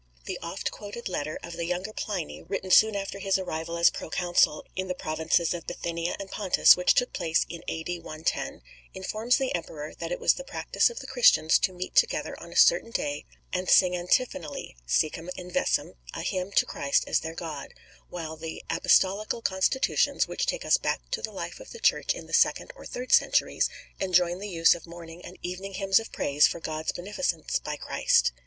The oft quoted letter of the younger Pliny, written soon after his arrival as Proconsul in the provinces of Bithynia and Pontus, which took place in A.D. 110, informs the Emperor that it was the practice of the Christians to meet together on a certain day and sing antiphonally (secum invicem) a hymn to Christ as their God; while the "Apostolical Constitutions," which take us back to the life of the Church in the second or third centuries, enjoin the use of morning and evening hymns of praise for God's beneficence by Christ.